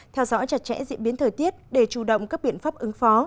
theo dõi chặt chẽ diễn biến thời tiết để chủ động các biện pháp ứng phó